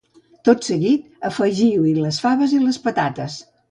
Tot seguit afegiu-hi les faves i les patates